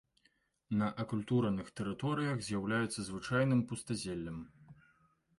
На акультураных тэрыторыях з'яўляецца звычайным пустазеллем.